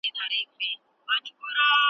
دبابا زړه يې لا شين ؤ .